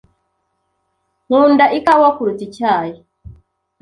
Nkunda ikawa kuruta icyayi.